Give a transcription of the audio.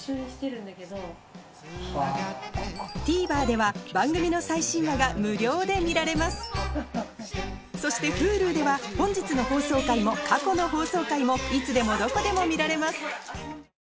ＴＶｅｒでは番組の最新話が無料で見られますそしてＨｕｌｕでは本日の放送回も過去の放送回もいつでもどこでも見られます